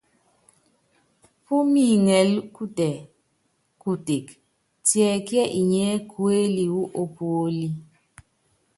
Púmíŋɛlɛ kutɛ́ kutek, tiɛkíɛ inyiɛ kuéli wu ópuólí?